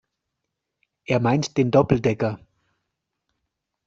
Er meint den Doppeldecker.